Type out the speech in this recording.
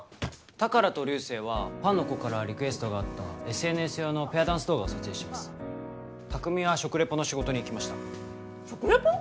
宝と竜星はファンの子からリクエストがあったＳＮＳ用のペアダンス動画を撮影してます巧は食レポの仕事に行きました食レポ？